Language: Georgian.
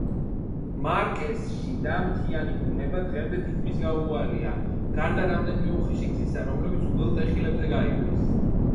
მარკეს შიდა, მთიანი ბუნება დღემდე თითქმის გაუვალია, გარდა რამდენიმე უხეში გზისა, რომლებიც უღელტეხილებზე გაივლის.